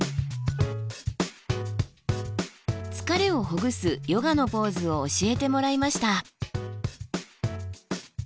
疲れをほぐすヨガのポーズを教えてもらいました。